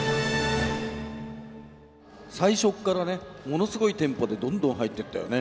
最初っからねものすごいテンポでどんどんはいってったよね。